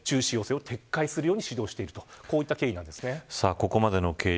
ここまでの経緯